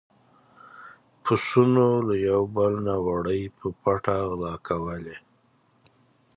پسونو له يو بل نه وړۍ په پټه غلا کولې.